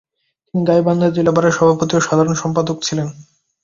তিনি গাইবান্ধা জেলা বারের সভাপতি ও সাধারণ সম্পাদক ছিলেন।